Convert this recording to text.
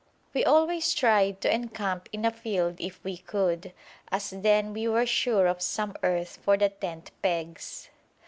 We always tried to encamp in a field if we could, as then we were sure of some earth for the tent pegs.